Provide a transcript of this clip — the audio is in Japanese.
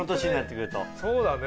そうだね。